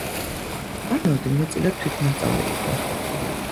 არნოლდი მეტწილად თვითნასწავლი იყო.